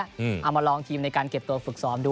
เอามาลองทีมในการเก็บตัวฝึกซ้อมดู